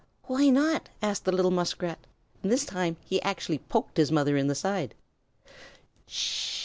"Why not?" asked the little Muskrat. And this time he actually poked his mother in the side. "Sh h h!"